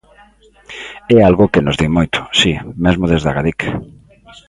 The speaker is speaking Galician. É algo que nos din moito, si, mesmo desde Agadic.